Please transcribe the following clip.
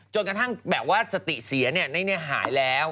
จนกระทั่งสติเสียนี่หายแล้ว